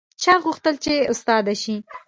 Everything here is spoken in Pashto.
چا غوښتل چې استاده شي